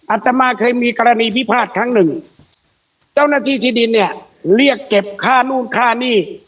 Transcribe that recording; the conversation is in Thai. อัตมาเคยมีกรณีพิพาทครั้งหนึ่งเจ้าหน้าที่ที่ดินเนี่ยเรียกเก็บค่านู่นค่านี่